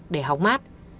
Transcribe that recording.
để hóng mát